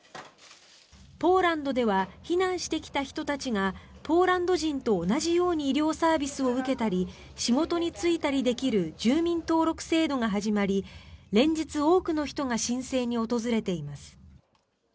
ポーランドでは避難してきた人たちがポーランド人と同じように医療サービスを受けたり仕事に就いたりできる住民登録制度が始まり連日、多くの人が申請に訪れています。